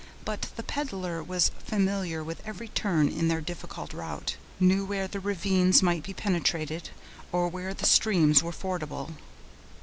But the peddler was familiar with every turn in their difficult route, knew where the ravines might be penetrated, or where the streams were fordable.